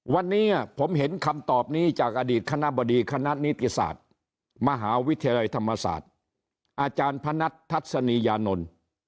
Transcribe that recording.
วันนี้ผมเห็นคำตอบนี้จากอดีตคณะบดีคณะนิติศาสตร์มหาวิทยาลัยธรรมศาสตร์อาจารย์พนัททัศนียานนท์